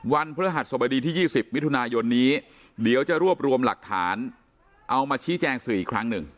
พฤหัสสบดีที่๒๐มิถุนายนนี้เดี๋ยวจะรวบรวมหลักฐานเอามาชี้แจงสื่ออีกครั้งหนึ่ง